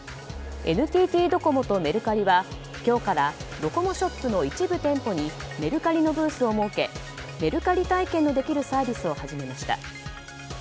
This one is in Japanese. ＮＴＴドコモとメルカリは今日からドコモショップの一部店舗にメルカリのブースを設けメルカリ体験のできるサービスを始めました。